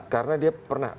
karena dia pernah